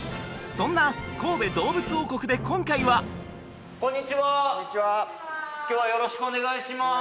そんな神戸どうぶつ王国で今回はこんにちはこんにちは今日はよろしくお願いします